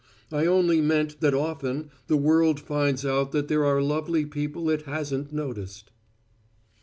I only meant that often the world finds out that there are lovely people it hasn't noticed."